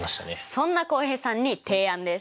そんな浩平さんに提案です。